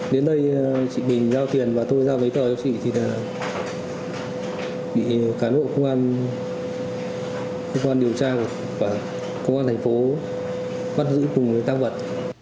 đến đây chị bình giao tiền và tôi giao bấy tờ cho chị thì là bị cán bộ công an điều tra và công an thành phố bắt giữ cùng với tác vật